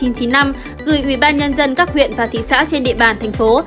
gửi ủy ban nhân dân các huyện và thị xã trên địa bàn thành phố